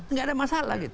enggak ada masalah